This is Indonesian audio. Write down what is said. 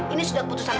ini sudah keputusanmu